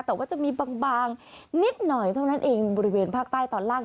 แต่ว่าจะมีบางนิดหน่อยเท่านั้นเองบริเวณภาคใต้ตอนล่าง